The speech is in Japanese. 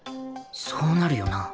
そうなるよな